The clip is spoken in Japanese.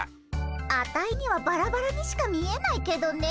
アタイにはバラバラにしか見えないけどね。